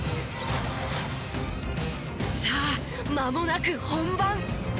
さあまもなく本番。